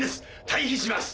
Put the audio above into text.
退避します。